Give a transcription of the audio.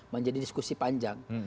menjadi diskusi panjang